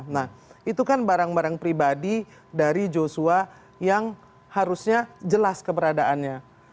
nah itu kan barang barang pribadi dari joshua yang harusnya jelas keberadaannya